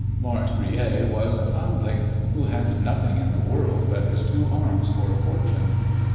"Laurent Grillet was a foundling, who had nothing in the world but his two arms for a fortune.